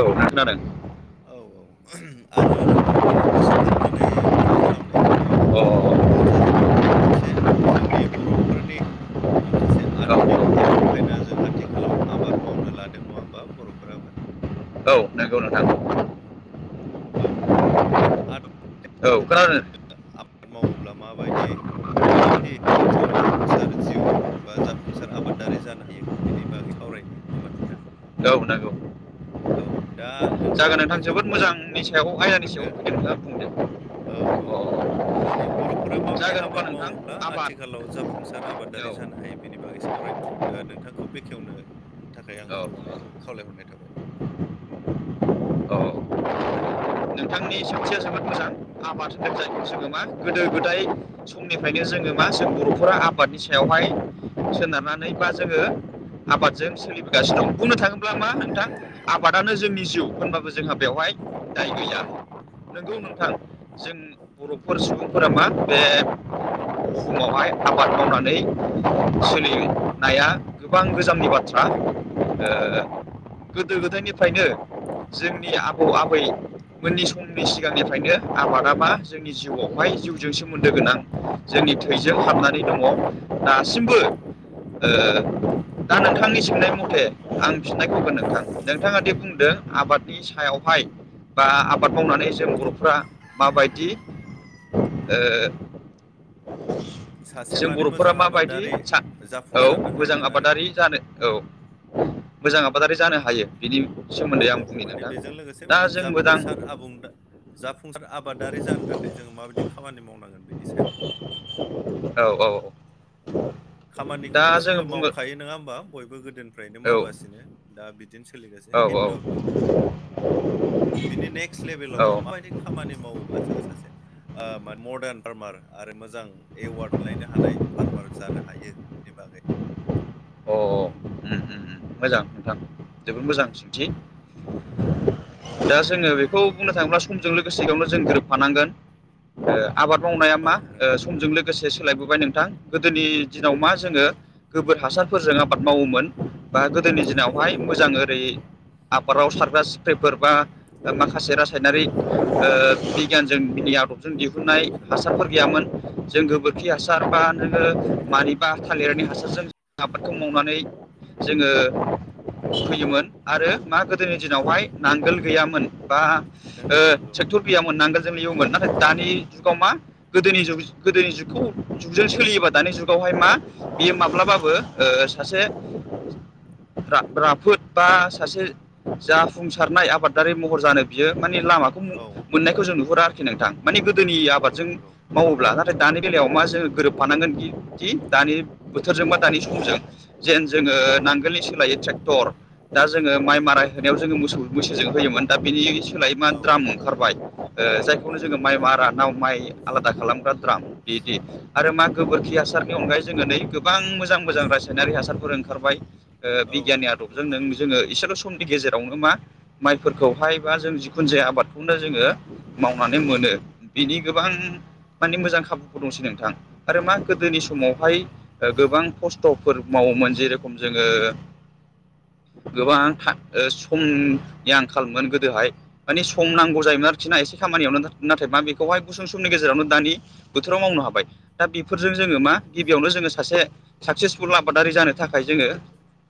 औ खोनादों औ औ [unintelligible] आङो नोंथांखौ गोसोखांनानै फन खालामनायानो अ ओ जाहैबाय माने मोनसे जोंनि बर'फोरनि माखासे औ आदुनिक आदब खायदाजों आथिखालाव आबाद मावनो लादों नङा होमबा बर'फोराबो औ नोंगौ नोंथां औ बे आदब औ खोनादों आबाद मावोब्ला माबायदि-माबायदि आथिखालाव जाफुंसार जिउ बा जाफुंसार आबादारि जानो हायो बेनि बागै सावरायनि नङा होमबा नोंथां औ नोंगौ औ दा जागोन नोंथाङानो नोंथां जोबोद मोजांनि सायाव आयदानि बेखेवग्रोदो सायाव [unintelligible] औ औ अ आने बर'फोरा माबायदि जागोन अब्ला आबाद नोंथां मावोब्ला आबाद आथिखालाव जाफुंसार औ आबादारि जानो हायो बिनि बागै सावरायनो ओ नोंथांखौ बेखेवनो थाखाय आं औ खावलायनाय खावलायहरनाय थाबाय औ नोंथांनि सोंथिया जोबोद मोजां आबाद जायखौ जोङो मा गोदो गोदाय समनिफायनो जोङो मा जों बर'फोरा आबादनि सायावहाय सोनारनानै बा जोङो आबादजों सोलिबोगासिनो दं बुंनो थाङोब्ला मा नोंथां आबादानो जोंनि जिउ होनबाबो जोंहा बेवहाय दाय औ गैया नोंगौ नंगौ नोंथां नंगौ जों बर'फोर सुबुंफोरा मा बे बुहुमावहाय आबाद मावनानै सोलि नाया गोबां गोजामनि बाथ्रा ओ औ गोदो गोदायनिफ्रायनो जोंनि आबौ आबै मोननि समनि सिगांनिफ्रायनो आबादा बा जोंनि जिउआवहाय जिउजों सोमोन्दो गोनां जोंनि थैजों हाबनानै दङ दासिमबो ओ दा नोंथांनि सोंनाय मथे आं बिननायखौबो नोंथां नोंथाङा दि बुंदों आबादनि सायाव हाय बा आबाद मावनानै जों बर'फ्रा माबायदि सासे जों माने बर'फोरा मोजां माबायदि आबादारि औ जाफुंसारनो मोजां हागोन आरो आबादारि जानो औ मोजां आबादारि जानो हायो बिनि सोमोन्दै औ आं बुंनि माने नोंथां बेजों लोगोसे दा माने जों मोजां जाफुंसार आबुं जाफुंसार आबादारि जानो थाखाय जों माबायदि खामानि मावनांगोन। बेनि सायाव औ औ औ खामानिखौथ' जोङो मावखायो नङा होमबा बयबो गोदोनिफ्रायनो औ मावगासिनो दा बि दि सोलिगासिनो औ खिन्थु बिनि नेक्स लेभेलाव औ माबायदि खामानि मावोबा जोङो सासे ओ मदार्न फार्मार आरो मोजां एवार्ड मोनलायनो हानाय फार्मार जानो हायो बिनि बागै अ उम उम मोजां नोंथां जोबोद मोजां सोंथि दा जोंङो बेखौ बुंनो थाङोब्ला समजों लोगोसेयावनो जों गोरोबफानांगोन आबाद मावनाया औ मा ओ नंगौ समजों लोगोसे लोगोसे सोलायबोबाय नोंथां गोदोनि दिनाव मा जोङो गोबोर हासार फोरजों आबाद मावोमोन बा गोदोनि नंगौ नंगौ दिनावहाय मोजां ओरै आबादाव सारग्रा सिख्रिफोर बा माखासे रासा यनारि ओ बिगियानजों बिनि आदबजों दुगैबा दिहुननाय मोदोम सागायो हासारफोरखौ गैयामोन जों गोबोरखि हासार बा नोंङो ओंखाम मानिबा जालांखायो थालिरनि हासारजों आबादखौ मावनानै जोंङो फोयोमोन। आरो मा गोदोनि दिनावहाय नांगोल गैयामोन बा ओ नंगौ नंगौ ट्रेक्टर गैयामोन मोननांगोन जोंनि इउमोन नाथाय थेक दानि जुगाव नंगौ मा गोदोनि गोदोनि जुगखौ जुगजों सोलियोबा दानि जुगावहाय मा बेयो माब्लाबाबो ओ सासे राफोद बा सासे जाफुंसारनाय आबादारि महर जानो बियो माने लामाखौ औ मोननायखौ जों नुहुरा आरोखि नोंथां माने गोदोनि नंगौ आबादजों नंगौ मावोब्ला दानि बेलायाव मा जोंङो गोरोबफानांगोनखि दानि बोथोरजों बा दानि समजों जेन जोङो नंगौ नांगोलनि सोलाय ट्रेक्टर दा जोंङो माइ मारा होनायाव जोङो मोसौ मैसोजों होयोमोन दा बिनि सोलायै मा औ द्राम ओंखारबाय ओ जायखौनो नंगौ जोङो माइ मारा नाव माइ आलादा खालामग्रा द्राम बिदि आरो मा नंगौ गोबोरखि हासारनि अनगायै जोंङो नै गोबां मोजां मोजां रासायनारि हासारफोर ओंखारबाय ओ औ बिगियाननि नंगौ नंगौ आदबजों नों थारैनो जोङो नोंथां इसेल' समनि गेजेरावनो मा माइफोरखौहाय बा जों जिखुनु जाया आबाद बेखौनो जोङो औ मावनानै मोनो। बिनि गोबां माने मोजां खाबुफोर दंसै नोंथां आरो मा गोदोनि नंगौ थारैनो समावहाय गोबां खस्थ'फोर मावोमोन जेरखम जोंङो गोबां ओ समनि आंखालमोन गोदोहाय माने सम नांगौ नंगौ जायोमोन आरो बिसिना एसे खामानियावनो नाथाय मा बेखौहाय गुसुं समनि गेजेरावनो दानि बोथोराव मावनो हाबाय दा बेफोरजों जोङो नंगौ मा नंगौ गिबियावनो जोङो सासे साक्सेसफुल आबादारि जानो थाखाय जोंङो।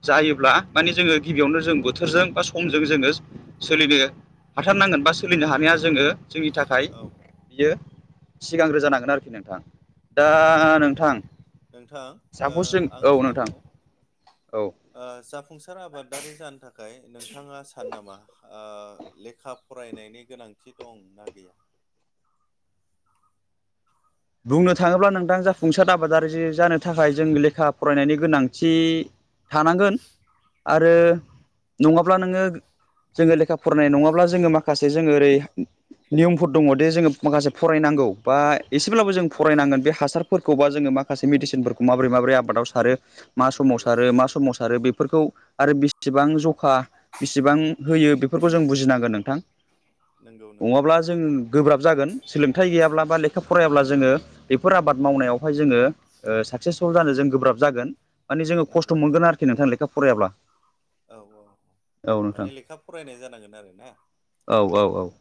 जायोब्ला माने जोङो गिबियावनो जों बोथोरजों बा समजों जोंङो सोलिनो हाथारनांगोन बा सोलिनो हानाया जोंङो जोंनि थाखाय औ बियो सिगांग्रो जानांगोन आरोखि नोंथां दा औ नोंथां सापस जों औ आं नोंथां सानो औ ओ जाफुंसार आबादारि जानो थाखाय नोंथाङा सानो नामा ओ लेखा फरायनायनि गोनांथि दं नना गैया बुंनो थाङोब्ला नोंथां जाफुंसार आबादारि जानो थाखाय जों लेखा फरायनायनि गोनांथि थानांगोन आरो नङाब्ला नोङो जोङो लेखा फरायनाय नङाब्ला जोङो माखासे माखासे जोङो ओरै नियमफोर दङदि जोङो माखासे फरायनांगौ बा एसेब्लाबो जों औ फरायनांगोन बे हासारफोरखौबा जोङो माखासे मेडिसिनफोरखौ माबोरै माबोरै आबादाव सारो मा साव नंगौ सारो मा नंगौ समाव सारो बेफोरखौ आरो बेसेबां जखा बेसेबां होयो बेफोरखौ जों बुजिनांगोन नोंथां नंगौ नंगौ ज गोब्राब जागोन सोलोंथाइ गैाब्ला बा लेखा फरायाब्ला जोङो बेफोर आबाद मावनायाव बेवहाय जोङो साक्सेसफुल जानो जों गोब्राब जागोन मान जोङो नंगौ खस्थ'गोन आरोखि नोंथां लेखा फरायाब्ला औ औ औ नोंथां माने लेखा फरायनाय जानांगोन आरो ना औ औ औ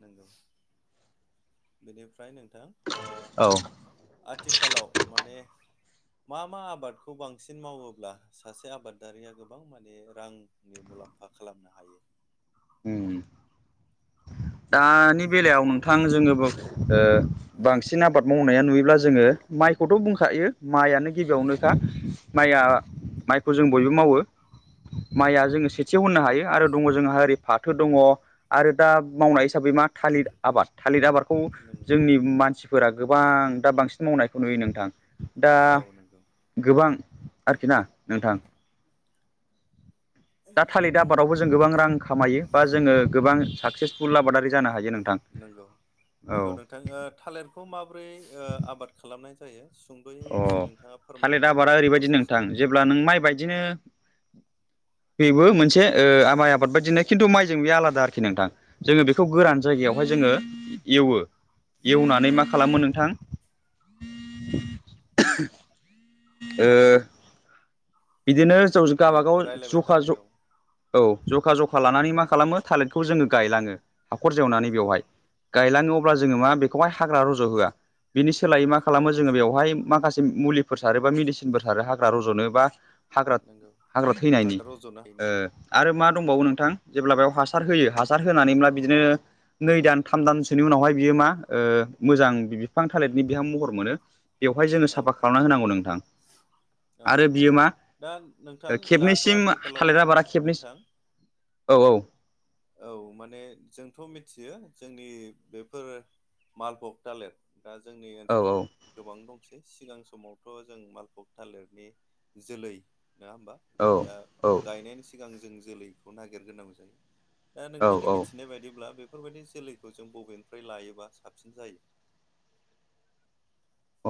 नंगौ बेनिफ्राय नोंथां औ आथिखालाव माने मा मा आबादखौ बांसिन मावोब्ला सासे आबादारिया गोबां माने रांनि मुलाम्फा खालामनो हायो उम दानि बेलायाव नोंथां जोङो बांसिन आबाद मावनाया नुयोब्ला जोङो माइखौथ' बुंखायो माइयानो गिबियावनोखा माइआ माइखौ जों बयबो मावो माइया नंगौ जोङो सेथियाव होननो हायो आरो दङ जोंहा ओरै फाथो दङ आरो दा मावनाय हिसाबै मा थालिर आबाद थालिर आबादखौ नों जोंनि मानसिफोरा गोबां दा बांसिन मावनायखौ नुयो नोंथां दा औ नंगौ गोबां आरोखि ना नोंथां दा थालिर आबादावबो जों गोबां रां खामायो बा जोङो गोबां साक्सेसफुल आबादारि जानो हायो नोंथां नंगौ नंगौ औ नोंथां थालिरखौ माबोरै आबाद खालामनाय जायो सुंद'यै अ नोंथाङा फोरमायनो हागोन नामा प्रसेसखौ अब्ला नों माइ बायदिनो बेबो मोनसे ओ माइ आबाद बायदिनो खिन्थु माइजों बे आलादा आरोखि नोंथां जोङो बेखौ गोरान जायगायावहाय जोङो एवो औ एवनानै मा खालामो नोंथां [inaudible] ओ बिदिनो हिनजाव दे गावाबागाव रायलायबाय था जखा दे ज औ औ जखा जखा लानानै मा खालामो थालिरखौ जोङो गायलाङो हाखर जवनानै औ बेवहाय गायलानो अब्ला जोङो मा बेखौहाय हाग्रा रज' होआ बिनि सोलायै मा औ खालामो जोङो बेवहाय माखासे मुलिफोर सारो बा मेडिसिनफोर सारो हाग्रा रज'नो बा हाग्रा नंगौ हाग्रा थैनायनि हाग्रा रज'नो हायिनि आरो मा दंबावो नोंथां जेब्ला बेयाव हासार होयो हासार होनानैब्ला बिदिनो नै दान थाम दानसोनि उनावहाय बियो मा मोजां बिफां थालिरनि बिहाम महर मोनो बेवहाय जोङो औ साफा औ खालामना होनांगौ नोंथां औ आरो नोंथां बियो मा दा नों खेबनैसिम थालिरा बारा खेबनैम नोंथां औ औ औ माने जोंथ' मिथियो जोंनि बेफोर मालबग थालिर दा जोंनि औ ओनसोलाव गोबां दंसै सिगां समावथ' जों मालबग थालिरनि जोलै नङा होमबा औ दा गायनायनि सिगां जों जोलैखौ नागिरग्रोनांगौ जायो आ औ नोंथांनि औ मिथिनाय बायदिब्ला बेफोरबायदि जोलैखौ जों बबेनिफ्राय लायोबा साबसिन जायो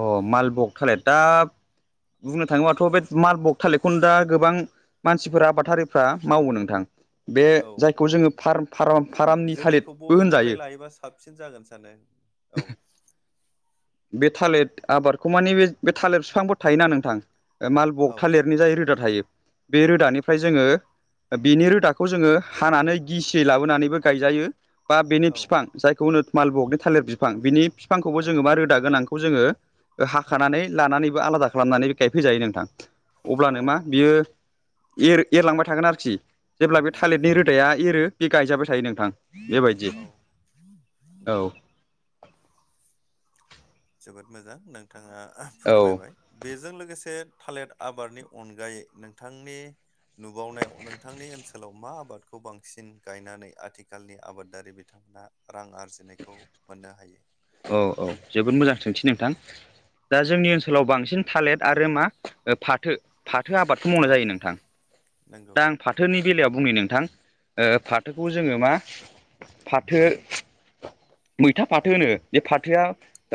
अ मालबक थालिर दा बुंनो थाङोबाथ' बे मालबक थालिरखौनो दा गोबां मानसिफोर आबाथारिफ्रा मावो नोंथां बे औ जायखौ जोङो फाराम फार्मनि थालिरबो होनजायो फायोबा साब [inaudible] साबसिन जागोन सानो औ बे थालिर आबादखौ माने बे थालिर बिफांफोर थायोना नोंथां मालबग औ थालिरनि जाय रोदा थायो बे रोदानिफ्राय जोङो बिनि रोदाखौ जोङो हानानै गिसियै लाबोनानैबो गायजायो बा बेनि औ बिफां जायखौ होनो माल बगनि थालिर बिफां बिनि बिफांखौबो औ जोङो मारो दा गोनांखौ जोङो हाखानानै लानानैबो आलादा खालामनानै गायफैजायो नोंथां औ अब्लानो मा बियो एर एरलांबाय थागोन आरोखि जेब्ला बे नंगौ थालिरनि नंगौ रोदाया एरो बे गायजाबाय थायो नोंथां बेबायदि औ औ नंगौ जोबोद मोजां नोंथाङा औ फोरमायबाय बेजों लोगोसे थालिर आबादनि अनगायै नोंथांनि नुबावनायाव नोंथांनि ओनसोलाव मा आबादखौ बांसिन गायनानै आथिखालनि आबादारि बिथां दा रां आरजिनायखौ मोननो हायो औ औ जोबोद मोजां सोंथि नोंथां दा जोंनि ओनसोलाव बांसिन थालिर आरो मा फाथो फाथो आबादखौ औ मावनाय जायो नोंथां नंगौ दा आं फाथोनि बेलायाव बुंनो नोंथां ओ फाथोखौ जोङो मा फाथो मैथा फाथो होनो बे फाथोआ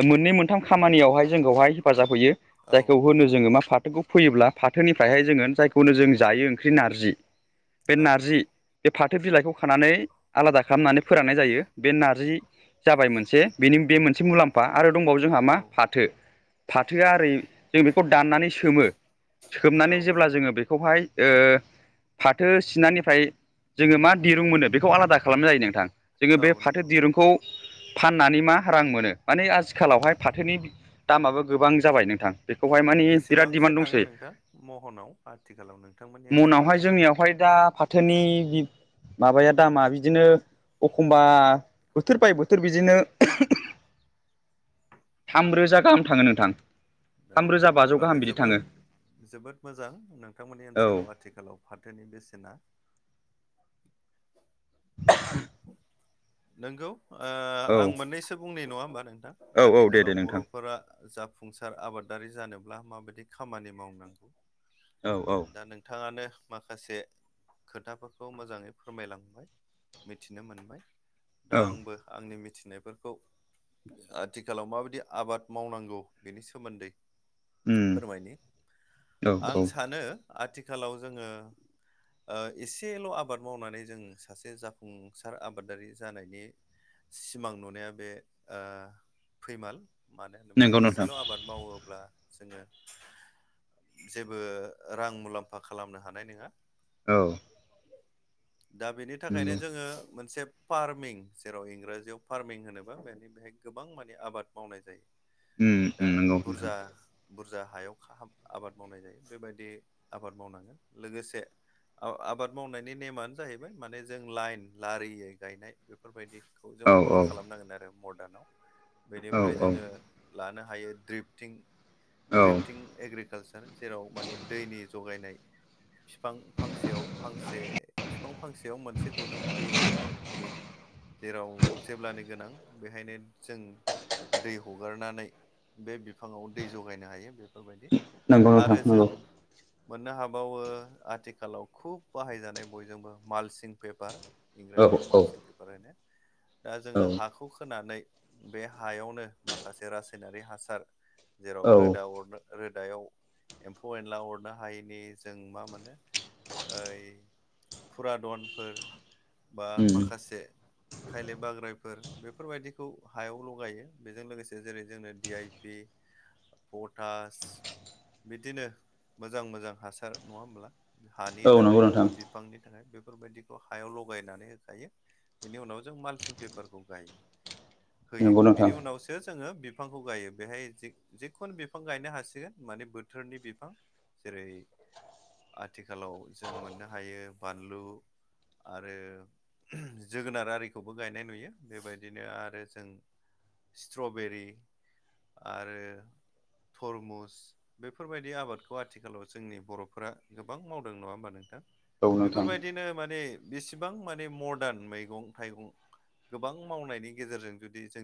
मोननै मोन मोनथाम खामानियावहाय जोंखौहाय हेफाजाब होयो औ जायखौ होनो नंगौ जोङो मा फाथोखौ फैयोब्ला फाथोनिफ्रायहाय जोङो जायखौनो जों जायो ओंख्रि नारजि बे औ नारजि बे फाथो बिलाइखौ खानानै आलादा खालामनानै फोराननाय जायो बे नारजि जाबाय मोनसे बेनि बे मोनसे मुलाम्फा आरो दंबावो जोंहा मा औ फाथो फाथोआ ओरै जों बेखौ दाननानै सोमो औ सोमनानै जेब्ला नंगौ जोङो बेखौहाय ओ फाथो सिनानिफ्राय जोङो मा दिरुं मोनो बेखौ आलादा खालामनाय जायो नोंथां जोङो औ बे फाथो नंगौ दिरुंखौ फाननानै मा रां मोनो माने आथिखालावहाय नंगौ फाथोनि दामाबो गोबां जाबाय नोंथां बेखौहाय मानि बिराद बेसेबांसो दिडिमान्ड थाङो दंसै नोंथां महनाव आथिखालाव नोंथांमोन मनावहाय जोंनियावहाय दा फाथोनि माबाया दामा बिदिनो एखमबा बोथोर बाय बोथोर बिदिनो थामरोजा गाहाम थाङो नोंथां औ थामरोजा बाजौ अब्लाथ' गाहाम बिदि थाङो जोबोद जोबोद मोजां नोंथांमोननि औ ओनसोलाव आथिखाल आथिखालाव फाथोनि बेसेना [inaudible] नंगौ ओ औ आं मोननैसो बुंनाय नङा होमबा नोंथां औ औ दे दे आथिखालाव नोंथां बर'फोरा जा जाफुंसार आबादारि जानोब्ला माबायदि खामानि मावनांगौ औ औ दा नों नोंथांङानो माखासे खोथाफोरखौ मोजाङै फोरमायलांबाय मिथिनो मोनबाय दा औ आंबो आंनि मिथिनायफोरखौ आथिखालाव माबायदि आबाद मावनांगौ बेनि सोमोन्दै उम फोरमायनि औ आं औ सानो आथिखालाव जोङो ओ एसेल' आबाद मावनानै जों सासे जाफुंसार आबादारि जानायनि सिमां नुनाया बे ओ फैमाल मानो होनोबा नंगौ नोंथां एसेल' आबाद मावोब्ला जोङो जेबो रां मुलाम्फा खालामनो हानाय नङा औ दा बेनि थाखायनो नंगौ जोङो मोनसे फार्मिं जेराव इंराजियाव फार्मिं होनोबा बेनि बेहाय गोबां माने आबाद मावनाय जायो उम दा उम नंगौ नोंथां बुरजा बुरजा हायाव आबाद मावनाय जायो। बे बायदि आबाद मावनांगोन लोगोसे आबाद मावनायनि नेमानो जाहैबाय माने जों लाइन लारियो गायनाय बेफोरबायदिखौ जों औ फल' औ खालामनांगोन आरो मदारनाव बेनिफ्राय औ औ जोङो लानो हायो द्रिफ्टिं औ द्रिप्टिं एग्रिकालसार जेराव माने दैनि जगायनाय बिफां फांसेयाव फांसे दफं फांसेयाव मोनसे गुदुं दै जेराव जेब्लानो गोनां बेहायनो जों दै हगारनानै बे बिफाङाव दै जगायनो हायो बेफोरबायदि नंगौ नोंथां आरो जों नंगौ मोननो हाबावो आथिखालाव खुब बाहायजानाय बयजोंबो मालसिं पेपार औ जियाव औ मालसिं पेपार होनो। दा औ जोङो हाखौ खोनानै बे हायावनो माखासे रासायनारि हासार जेराव औ रोदा अरनो रोदायाव एम्फौ एनला अरनो हायैनि जों मा मोनो ओइ फुरादनफोर बा उम माखासे खायले बाग्रायफोर बेफोर बायदिखौ हायाव लगायो बेजों लोगोसे जेरै जोंनो डि आइ पि पटास बिदिनो मोजां मोजां हासार नङा होमब्ला। हानि औ नंगौ थाखाय नोंथां बा बिफांनि थाखाय बेफोर बायदिखौ हायावल बहायनानै होखायो बिनि उनाव जों मालसिं पेपारखौ गायो। होयो नंगौ नोंथां बिनि उनावसो जोङो बिफांखौ गायो बेहाय जिखुनु बिफां गायनो हासिगोन माने बो बोथोरनि बिफां जेरै आथिखालाव जों मोननो हायो बानलु, आरो जोगोनार आरिखौबो गायनाय नुयो बेबायदिनो आरो जों स्ट्रबेरि आरो थरमुस बेफोरबायदि आबादखौ आथिखालाव जोंनि बर'फोरा गोबां मावदों। नङा होमबा नोंथां? औ नोंथां बेफोरबायदिनो माने बेसेबां माने मदार्न मैगं थाइगं गोबां मावनायनि गेजेरजों जुदि जों